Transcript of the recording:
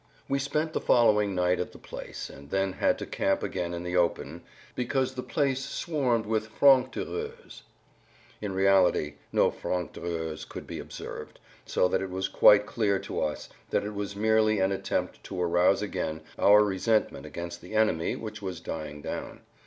We spent the following night at the place, and then had to camp again in the open, "because the place swarmed with franctireurs." In reality no franctireurs could be observed, so that it was quite clear to us that[Pg 83] it was merely an attempt to arouse again our resentment against the enemy which was dying down.